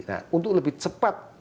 nah untuk lebih cepat